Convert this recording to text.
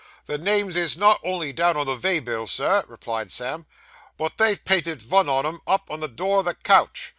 'The names is not only down on the vay bill, Sir,' replied Sam, 'but they've painted vun on 'em up, on the door o' the coach.